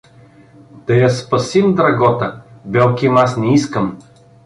— Да я спасим, Драгота, белким аз не искам.